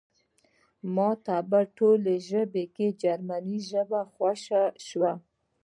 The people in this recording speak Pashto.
ماته په ټولو ژبو کې جرمني ژبه خوښه شوه